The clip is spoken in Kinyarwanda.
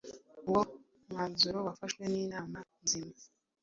uwo mwanzuro wafashwe n’inama nzima.